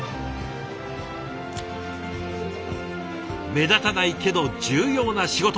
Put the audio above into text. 目立たないけど重要な仕事。